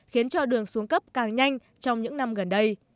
khiến cho đường xuống cấp càng nhanh trong những năm gần đây